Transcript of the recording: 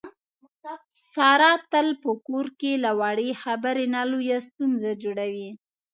ساره تل په کور کې له وړې خبرې نه لویه ستونزه جوړي.